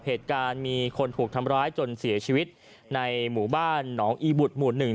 เหตุการณ์มีคนถูกทำร้ายจนเสียชีวิตในหมู่บ้านหนองอีบุตรหมู่หนึ่ง